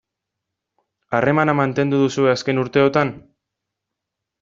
Harremana mantendu duzue azken urteotan?